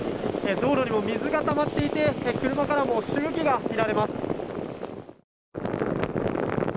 道路にも水がたまっていて車からもしぶきが見られます。